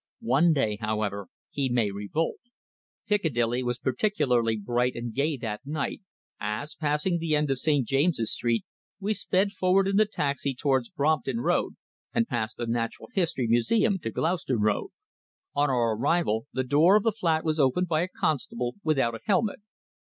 One day, however, he may revolt. Piccadilly was particularly bright and gay that night, as, passing the end of St. James's Street, we sped forward in the taxi towards Brompton Road and past the Natural History Museum to Gloucester Road. On our arrival the door of the flat was opened by a constable without a helmet.